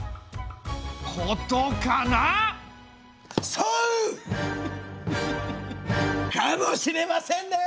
そうかもしれませんね！